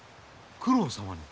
九郎様に！？